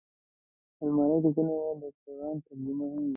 الماري کې ځینې وخت د قرآن ترجمه هم وي